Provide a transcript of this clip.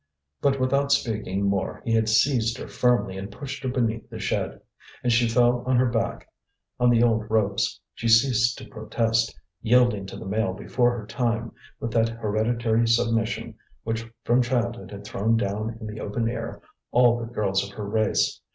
But without speaking more he had seized her firmly and pushed her beneath the shed. And she fell on her back on the old ropes; she ceased to protest, yielding to the male before her time, with that hereditary submission which from childhood had thrown down in the open air all the girls of her race.